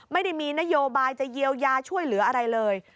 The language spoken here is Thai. ไม่ได้มีนโยบายจะเยียวยาช่วยเหลืออะไรเลย